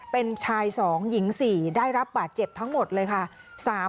เป็นชาย๒หญิง๔ได้รับบาดเจ็บทั้งหมดเลยค่ะ